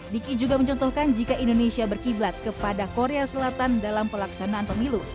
diki juga mencontohkan jika indonesia berkiblat kepada korea selatan dalam pelaksanaan pemilu